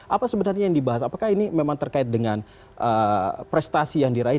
apa sebenarnya yang dibahas apakah ini memang terkait dengan prestasi yang diraih